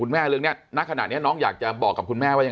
แม่เรื่องนี้ณขณะนี้น้องอยากจะบอกกับคุณแม่ว่ายังไง